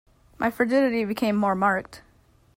My frigidity became more marked.